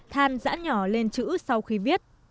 than giã nhỏ lên chữ sau khi viết